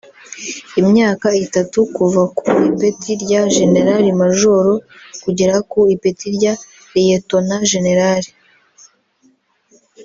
imyaka itatu kuva ku ipeti rya Jenerali Majoro kugera ku ipeti rya Liyetona Jenerali